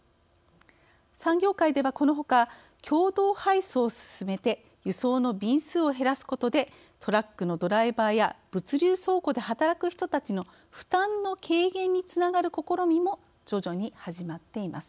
産業界ではこのほか共同配送を進めて輸送の便数を減らすことでトラックのドライバーや物流倉庫で働く人たちの負担の軽減につながる試みも徐々に始まっています。